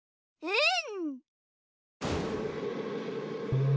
うん！